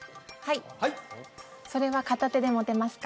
はいそれは片手で持てますか？